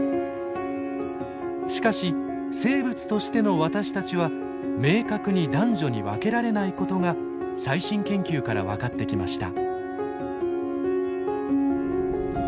しかし生物としての私たちは明確に男女に分けられないことが最新研究から分かってきました。